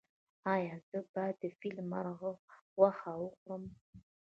ایا زه باید د فیل مرغ غوښه وخورم؟